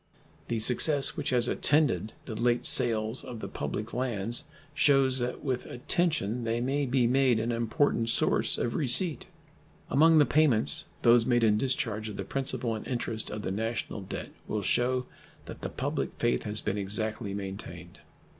The success which has attended the late sales of the public lands shews that with attention they may be made an important source of receipt. Among the payments those made in discharge of the principal and interest of the national debt will shew that the public faith has been exactly maintained.